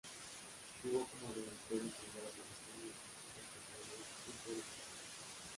Jugó como delantero en Primera División y en distintas categorías de fútbol español.